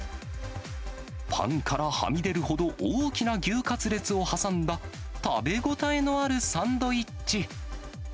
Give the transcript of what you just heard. パンからはみ出るほど大きな牛カツレツを挟んだ、食べ応えのあるサンドイッチ。